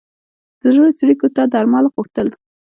د زړه څړیکو ته درمل غوښتل.